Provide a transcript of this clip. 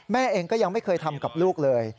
แม่เองก็ยังไม่เคยทำกับลูกเลย